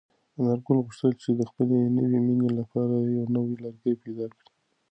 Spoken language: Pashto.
انارګل غوښتل چې د خپلې نوې مېنې لپاره یو نوی لرګی پیدا کړي.